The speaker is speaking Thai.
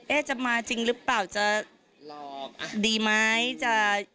เอ๊ะจะมาจริงหรือเปล่าจะดีไหมจะ